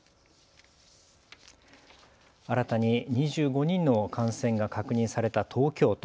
新たに２５人の感染が確認された東京都。